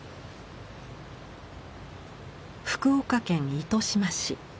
福岡県糸島市。